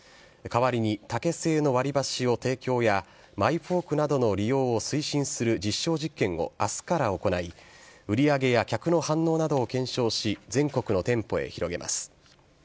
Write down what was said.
代わりに竹製の割り箸を提供や、マイフォークなどの利用を推進する実証実験をあすから行い、売り上げや客の反応などを検証し、全国の店舗へ広げます。